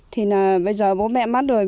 thì bây giờ bố mẹ mất